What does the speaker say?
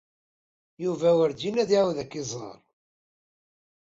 Yuba werǧin ad iɛawed ad k-iẓer.